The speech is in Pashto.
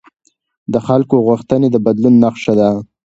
د خلکو غوښتنې د بدلون نښه ده